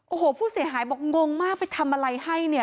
โอ้โหผู้เสียหายบอกงงมากไปทำอะไรให้เนี่ย